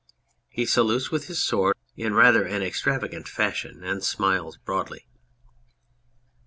(He salutes with his sword in rather an extravagant fashion and smiles broadly.